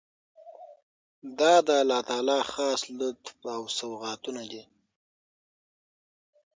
دا د الله تعالی خاص لطف او سوغاتونه دي.